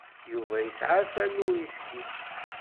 Yuba yesɛa tanuṛiksit.